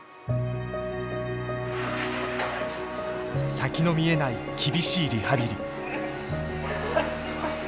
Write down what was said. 先の見えない厳しいリハビリ。